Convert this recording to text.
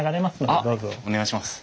あっお願いします。